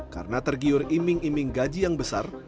karena tergiur iming iming gaji yang besar